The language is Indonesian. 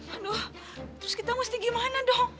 aduh terus kita mesti gimana dong